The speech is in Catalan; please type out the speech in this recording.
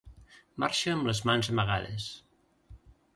Marxa amb les mans amagades.